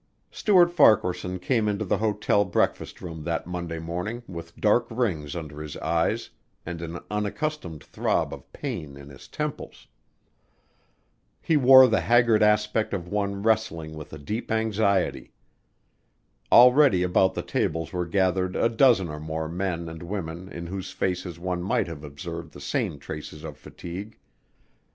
Stuart Farquaharson came into the hotel breakfast room that Monday morning with dark rings under his eyes and an unaccustomed throb of pain in his temples. He wore the haggard aspect of one wrestling with a deep anxiety. Already about the tables were gathered a dozen or more men and women in whose faces one might have observed the same traces of fatigue.